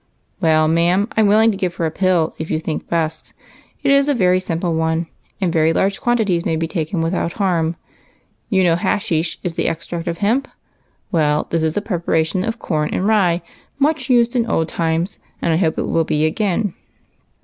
" Well, ma'am, I 'm willing to give her a pill, if you think best. It is a very simple one, and very large quantities may be taken without harm. You know hasheesh is the extract of hemp? Well, this is a preparation of corn and rye, much used in old times, and I hope it will be again."